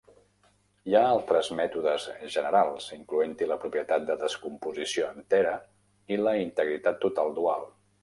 Hi ha altres mètodes generals incloent-hi la propietat de descomposició entera i la integritat total dual.